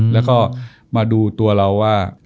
แล้วก็มาดูตัวเราว่า